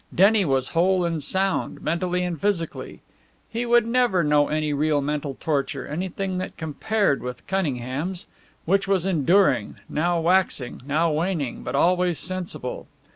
Denny was whole and sound, mentally and physically; he would never know any real mental torture, anything that compared with Cunningham's, which was enduring, now waxing, now waning, but always sensible.